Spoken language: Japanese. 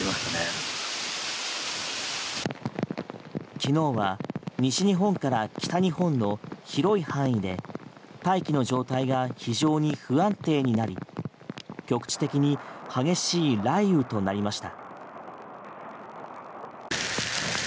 昨日は西日本から北日本の広い範囲で大気の状態が非常に不安定になり局地的に激しい雷雨となりました。